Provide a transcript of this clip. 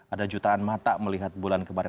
ada jutaan mata melihat bulan kemarin